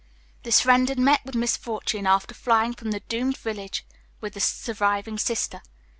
"This friend had met with misfortune after flying from the doomed village with the surviving sister.